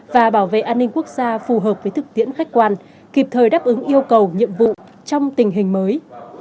và bảo vệ an ninh quốc gia phù hợp với thực tiễn khách quan kịp thời đáp ứng yêu cầu nhiệm vụ trong tình hình mới